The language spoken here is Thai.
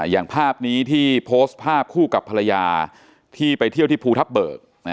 อย่างภาพนี้ที่โพสต์ภาพคู่กับภรรยาที่ไปเที่ยวที่ภูทับเบิก